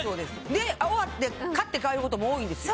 で終わって買って帰ることも多いんですよ。